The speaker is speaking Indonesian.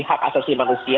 hak asasi manusia